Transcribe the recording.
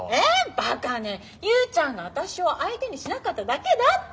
バカね勇ちゃんが私を相手にしなかっただけだって！